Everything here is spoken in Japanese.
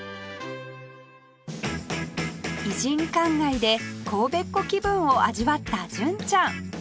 異人館街で神戸っ子気分を味わった純ちゃん